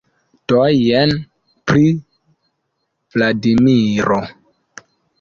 Do jen, pri Vladimiro.